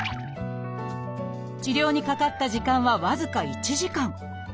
治療にかかった時間は僅か１時間。